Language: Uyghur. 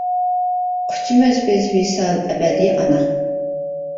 قۇچىمىز بىز ۋىسال ئەبەدىي ئانا!